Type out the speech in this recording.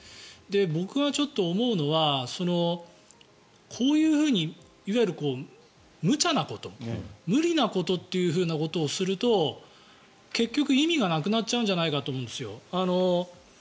僕がちょっと思うのはこういうふうにいわゆる無茶なこと無理なことということをすると結局、意味がなくなっちゃうんじゃないかと思うんですよ。